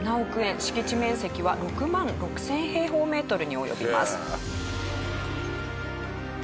敷地面積は６万６０００平方メートルに及びます。